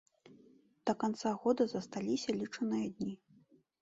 Да канца года засталіся лічаныя дні.